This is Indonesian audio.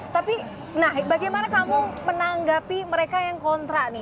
tapi bagaimana kamu menanggapi mereka yang kontra